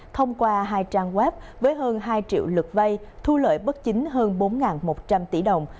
thông qua hai trang web với hơn hai triệu lượt vay thu lợi bất chính hơn bốn một trăm linh tỷ đồng